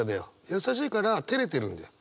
優しいからてれてるんだよ。